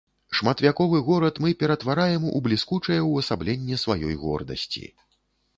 Шматвяковы горад мы ператвараем у бліскучае ўвасабленне сваёй гордасці.